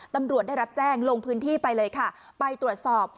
ตำรวจได้รับแจ้งลงพื้นที่ไปเลยค่ะไปตรวจสอบ